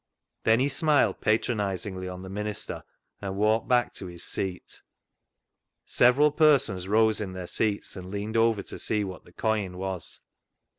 Then he smiled patronisingly on the minister, and walked back to his seat. Several persons rose in their seats and leaned over to see what the coin was.